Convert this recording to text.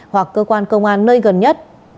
hoặc cơ quan công an nơi gần nhất